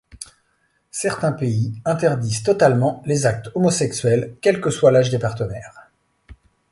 Certains pays interdisent totalement les actes homosexuels quel que soit l'âge des partenaires.